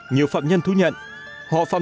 nhiều phạm nhân thú nhận họ phạm